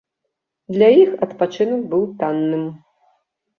Для іх адпачынак быў танным.